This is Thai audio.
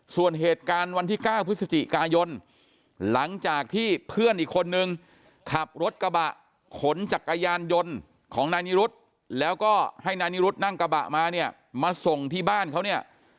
ส่วนเหตุการณ์วันที่๙พฤศจิกายนหลังจากที่เพื่อนอีกคนนึงขับรถกระบะขนจักรยานยนต์ของนายนิรุธแล้วก็ให้นายนิรุธนั่งกระบะมาเนี่ยมาส่งที่บ้านเขาเนี่ย